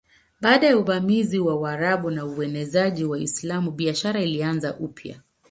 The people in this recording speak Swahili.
Baada ya uvamizi wa Waarabu na uenezaji wa Uislamu biashara ilianza upya.